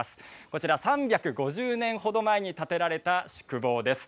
こちら３５０年程前に建てられた宿坊です。